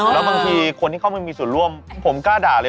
แล้วบางทีคนที่เขาไม่มีส่วนร่วมผมกล้าด่าเลย